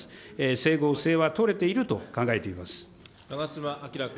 整合性は取れていると考えていま長妻昭君。